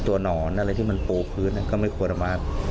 ตัวหนอนอะไรที่มันปูคืนก็ไม่ควรทำมาก